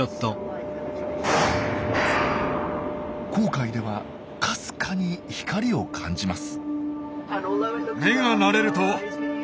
紅海ではかすかに光を感じます。